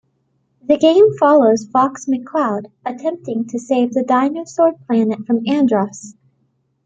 The game follows Fox McCloud attempting to save the Dinosaur Planet from Andross.